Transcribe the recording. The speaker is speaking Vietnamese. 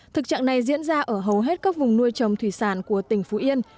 thực trạng này diễn ra ở hầu hết các vùng nuôi trồng thủy sản của tỉnh phú yên